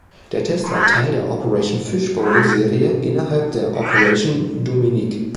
Der Test war Teil der "Operation Fishbowl"-Serie innerhalb der Operation Dominic.